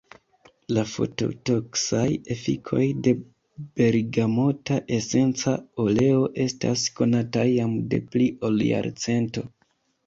La fototoksaj efikoj de bergamota esenca oleo estas konataj jam de pli ol jarcento.